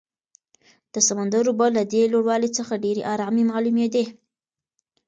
د سمندر اوبه له دې لوړوالي څخه ډېرې ارامې معلومېدې.